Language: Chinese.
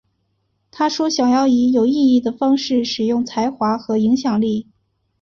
她说想要以有意义的方式使用才华和影响力。